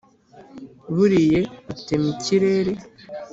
buriye rutemikirere